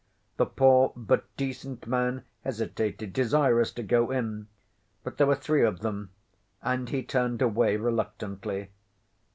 The poor but decent man hesitated, desirous to go in; but there were three of them, and he turned away reluctantly.